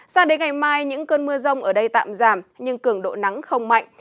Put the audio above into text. sao đến ngày mai những cơn mưa rông ở đây tạm giảm nhưng cường độ nắng không mạnh